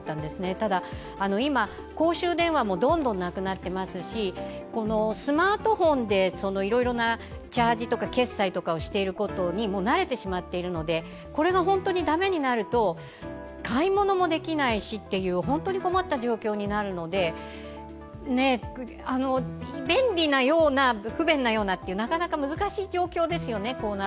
ただ、今、公衆電話もどんどんなくなっていますし、スマートフォンでいろいろなチャージとか決済をしていることに慣れてしまっているので、これがだめになると買い物もできないしという本当に困った状況になるので便利なような、不便なようななかなか難しい状況ですよね。